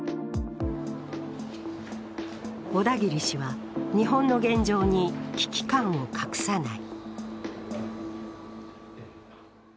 小田切氏は日本の現状に危機感を隠さない。